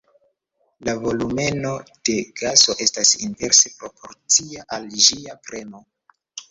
La volumeno de gaso estas inverse proporcia al ĝia premo.